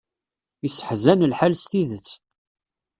Iseḥzan lḥal s tidet.